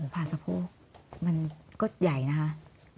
ผ่าสะโพกมันก็ใหญ่นะคะ